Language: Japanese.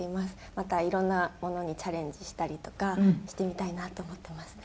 またいろんなものにチャレンジしたりとかしてみたいなと思ってますね。